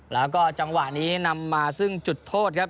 แล้วก็จังหวะนี้นำมาซึ่งจุดโทษครับ